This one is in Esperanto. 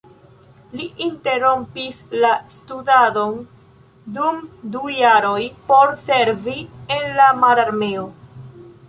Li interrompis la studadon dum du jaroj por servi en la mararmeo.